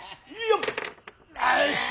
よし！